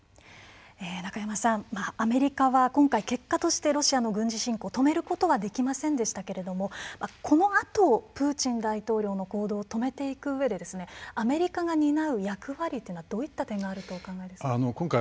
中山さん、アメリカは今回結果としてロシアの軍事侵攻を止めることはできませんでしたけれどもこのあとプーチン大統領の行動を止めていくうえでアメリカが担う役割はどういった点があるとお考えですか。